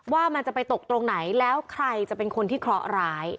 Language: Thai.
ว่ามันจะไปตกตรงไหนแล้วใครจะเป็นคนที่เคราะหร้าย